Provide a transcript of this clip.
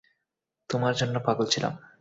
তোমার জন্য পাগল ছিলাম?